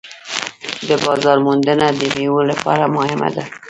د بازار موندنه د میوو لپاره مهمه ده.